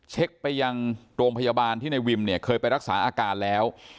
เช็คไปยังโรงพยาบาลที่ในวิมเนี่ยเคยไปรักษาอาการแล้ว